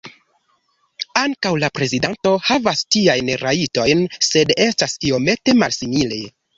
Ankaŭ la prezidanto havas tiajn rajtojn sed estas iomete malsimile.